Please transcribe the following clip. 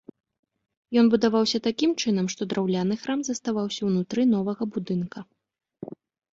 Ён будаваўся такім чынам, што драўляны храм заставаўся ўнутры новага будынка.